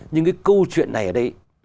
nhưng cái câu chuyện này ở đây